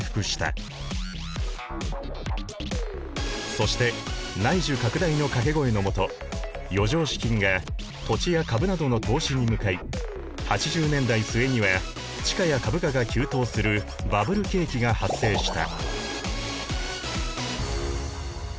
そして内需拡大の掛け声の下余剰資金が土地や株などの投資に向かい８０年代末には地価や株価が急騰するバブル景気が発生した。